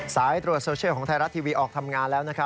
สายตรวจโซเชียลของไทยรัฐทีวีออกทำงานแล้วนะครับ